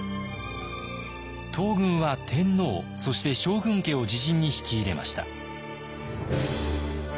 東軍は天皇そして将軍家を自陣に引き入れました。